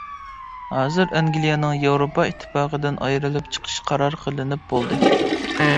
ھازىر ئەنگلىيەنىڭ ياۋروپا ئىتتىپاقىدىن ئايرىلىپ چىقىشى قارار قىلىنىپ بولدى.